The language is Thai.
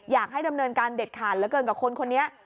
อยากให้ดำเนินการเด็ดขาดเหลือเกินกับคนคนนี้